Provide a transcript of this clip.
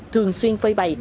thường xuyên phơi bày